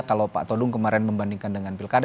kalau pak todung kemarin membandingkan dengan pilkada